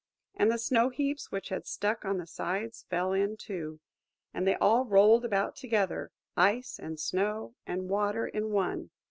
And the snow heaps which had stuck on the sides fell in too, and they all rolled about together, Ice and Snow and Water in one.